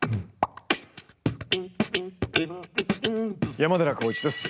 山寺宏一です。